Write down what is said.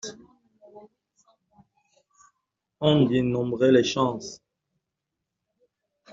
On dénombrait les chances.